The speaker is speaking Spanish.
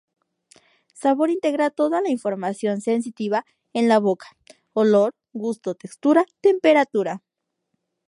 Sabor integra todo la información sensitiva recibida en la boca: olor, gusto, textura, temperatura.